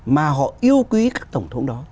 mà họ yêu quý các tổng thống đó